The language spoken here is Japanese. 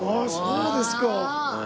そうですか。